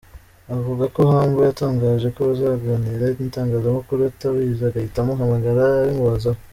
Avuga ko Humble yatangaje ko bazaganira n’Itangazamakuru atabizi agahita amuhamagara abimubazaho.